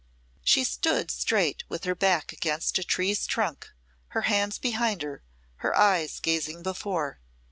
She stood straight with her back against a tree's trunk, her hands behind her, her eyes gazing before.